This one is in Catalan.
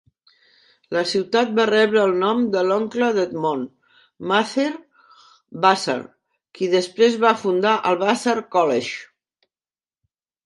La ciutat va rebre el nom de l'oncle d'Edmund, Matthew Vassar, qui després va fundar el Vassar College.